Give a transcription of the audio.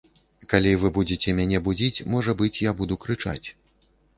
Калі вы будзеце мяне будзіць, можа быць, я буду крычаць.